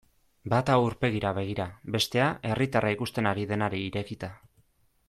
Bata aurpegira begira, bestea herritarra ikusten ari denari irekita.